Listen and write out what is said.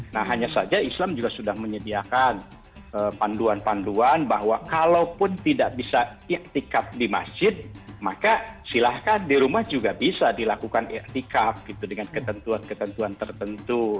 nah hanya saja islam juga sudah menyediakan panduan panduan bahwa kalaupun tidak bisa ikhtikaf di masjid maka silahkan di rumah juga bisa dilakukan ikhtikaf gitu dengan ketentuan ketentuan tertentu